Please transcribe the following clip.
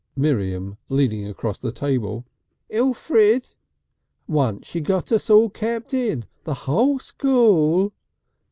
Miriam leaning across the table: "Elfrid!" "Once she got us all kept in. The whole school!"